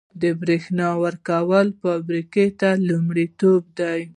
د بریښنا ورکړه فابریکو ته لومړیتوب دی